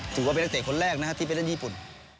ถือว่าเป็นนักเตะคนแรกนะครับที่ไปเล่นญี่ปุ่น